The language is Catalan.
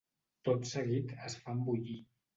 Tot seguit es fan bullir.